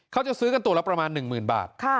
เขาจะซื้อกันตัวละประมาณ๑๐๐๐บาท